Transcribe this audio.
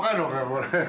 これ。